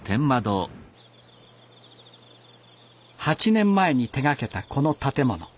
８年前に手がけたこの建物。